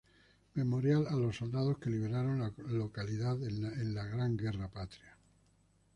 Memorial a los soldados que liberaron la localidad en la Gran Guerra Patria.